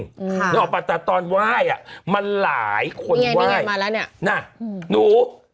ค่ะนี่ออกมาแต่ตอนไหว้อะมันหลายคนไหว้นี่ไงนี่ไงมาแล้วเนี่ยน่ะหนู